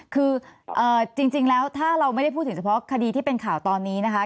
คือจริงแล้วถ้าเราไม่ได้พูดถึงเฉพาะคดีที่เป็นข่าวตอนนี้นะคะ